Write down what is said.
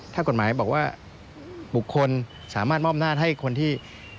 ถ้ากฎหมายบอกว่าปลุกคนสามารถมอบหน้าให้คนที่